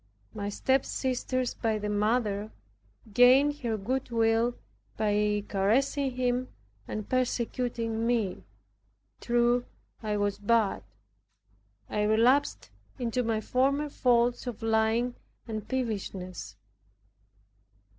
My stepsisters by the mother, gained her goodwill by caressing him and persecuting me. True, I was bad. I relapsed into my former faults of lying and peevishness.